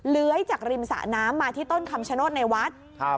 เลื้อยจากริมสะน้ำมาที่ต้นคำชโนธในวัด